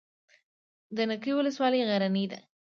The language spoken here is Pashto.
د نکې ولسوالۍ غرنۍ ده